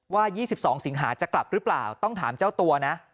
ว่า๒๒สิงหาจะกลับหรือเปล่าต้องถามเจ้าตัวนะ